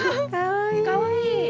かわいい。